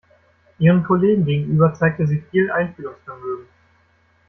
Ihren Kollegen gegenüber zeigte sie viel Einfühlungsvermögen.